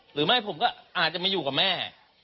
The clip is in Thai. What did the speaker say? หรือไม่ผมก็อาจจะมาอยู่กับแม่